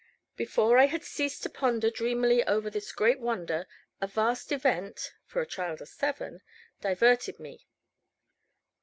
Before I had ceased to ponder dreamily over this great wonder, a vast event (for a child of seven) diverted me.